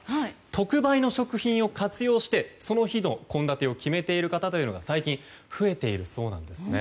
特売の食品を活用してその日の献立を決めている方というのが最近、増えているそうなんです。